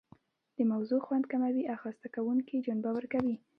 د موضوع خوند کموي او خسته کوونکې جنبه ورکوي.